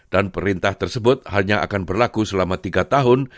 dan perintah tersebut hanya akan berlaku selama tiga tahun